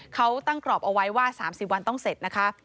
เขาตั้งกรอบเอาไว้ว่า๓๐วันต้องเสร็จนะคะ